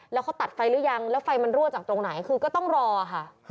แล้วเขาตัดไฟหรือยังแล้วไฟมันรั่วจากตรงไหนคือก็ต้องรอค่ะ